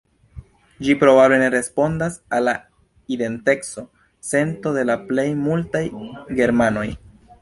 Ĝi probable ne respondas al la identeco-sento de la plej multaj germanoj.